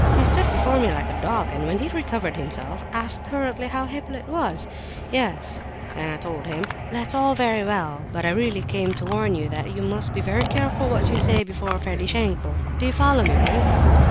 He stood before me like a log, and when he recovered himself, asked hurriedly how Hippolyte was. 'Yes,' he said, when I told him, 'that's all very well, but I really came to warn you that you must be very careful what you say before Ferdishenko.' Do you follow me, prince?"